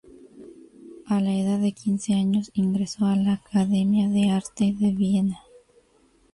A la edad de quince años ingresó a la Academia de Arte de Viena.